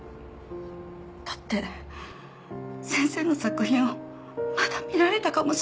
だって先生の作品をまだ見られたかもしれないのに。